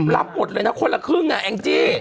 รับหมดเลยนะคนละครึ่งอ่ะแองจี้